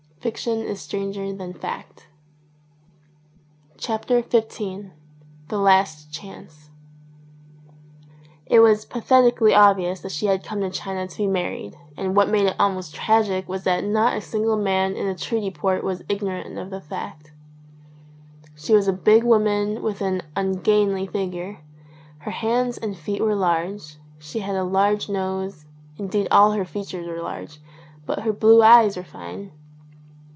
Fiction is stranger than fact. 61 XV THE LAST CHANCE IT Was pathetically obvious that she had come to China to be married, and what made it al most tragic was that not a single man in the treaty port was ignorant of the fact. She was a big woman with an ungainly figure; her hands and feet were large ; she had a large nose, indeed all her features were large; but her blue eyes were fine.